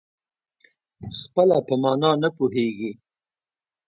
خپله په مانا نه پوهېږي.